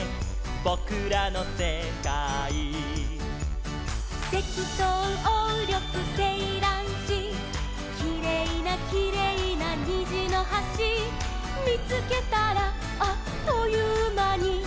「ぼくらのせかい」「セキトウオウリョクセイランシ」「きれいなきれいなにじのはし」「みつけたらあっというまに」